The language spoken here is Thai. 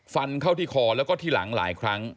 ฟันเข้าที่คอแล้วก็ที่หลังหลายครั้ง